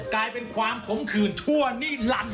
กลายเป็นความขมขื่นทั่วนี่ลัน